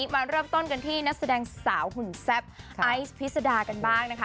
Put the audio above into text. มาเริ่มต้นกันที่นักแสดงสาวหุ่นแซ่บไอซ์พิษดากันบ้างนะคะ